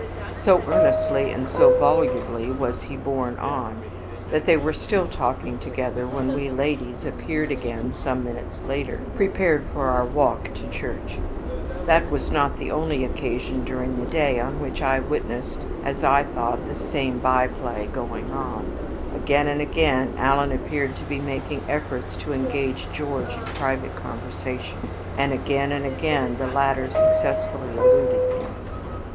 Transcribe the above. So earnestly and so volubly was he borne on, that they were still talking together when we ladies appeared again some minutes later, prepared for our walk to church. That was not the only occasion during the day on which I witnessed as I thought the same by play going on. Again and again Alan appeared to be making efforts to engage George in private conversation, and again and again the latter successfully eluded him.